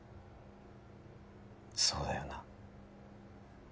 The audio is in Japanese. そうだよな